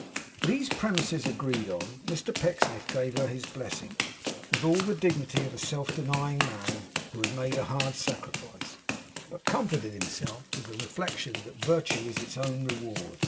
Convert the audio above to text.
These premises agreed on, Mr Pecksniff gave her his blessing, with all the dignity of a self denying man who had made a hard sacrifice, but comforted himself with the reflection that virtue is its own reward.